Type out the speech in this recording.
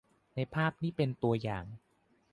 ในภาพนี่เป็นตัวอย่าง